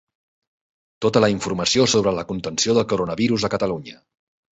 Tota la informació sobre la contenció del coronavirus a Catalunya.